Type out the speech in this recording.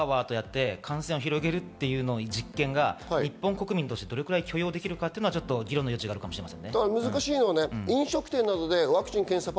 問題なのはマスクも取って、ワワとやって、感染を広げるという実験が日本国民としてどのくらい許容できるのか、議論の余地があるかもしれません。